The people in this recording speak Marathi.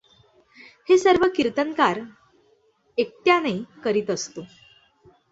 हे सर्व कीर्तनकार एकट्याने करीत असतो.